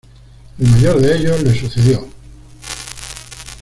El mayor de ellos le sucedió.